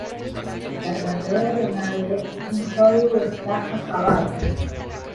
La carrera de Nader en Hollywood estaba acabada.